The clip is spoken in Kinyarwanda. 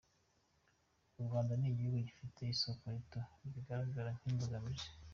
U Rwanda ni igihugu gifite isoko rito, bigaragara nk’imbogamizi.